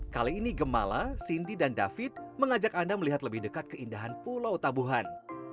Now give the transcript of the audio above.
kali ini gemala cindy dan david mengajak anda melihat lebih dekat keindahan pulau tabuhan